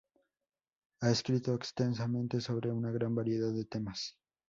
Ha escrito extensamente sobre una gran variedad de temas.